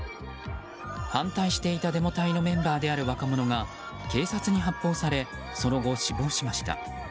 反対していたデモ隊のメンバーである若者が警察に発砲されその後、死亡しました。